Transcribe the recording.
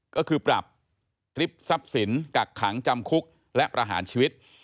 ก็คือปรับริบทรัพย์สินกักขังจำคุกและประหารชีวิต